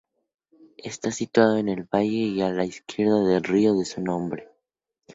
Está situado en el valle y a la izquierda del río de su nombre.